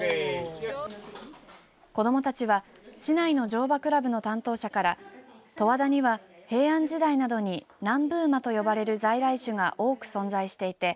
子どもたちは市内の乗馬クラブの担当者から十和田には平安時代などに南部馬と呼ばれる在来種が多く存在していて